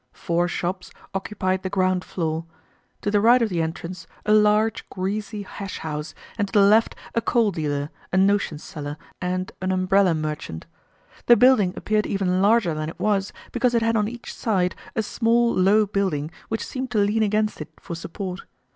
Four shops occupied the ground floor. To the right of the entrance, a large, greasy hash house, and to the left, a coal dealer, a notions seller, and an umbrella merchant. The building appeared even larger than it was because it had on each side a small, low building which seemed to lean against it for support.